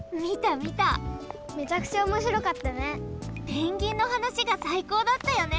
ペンギンの話がさいこうだったよね。